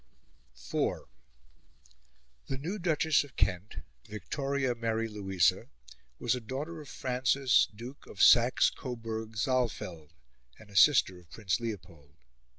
IV The new Duchess of Kent, Victoria Mary Louisa, was a daughter of Francis, Duke of Saxe Coburg Saalfeld, and a sister of Prince Leopold.